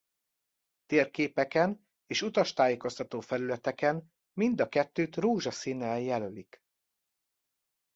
Térképeken és utastájékoztató felületeken mind a kettőt rózsaszínnel jelölik.